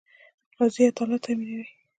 قاضي عدالت تامینوي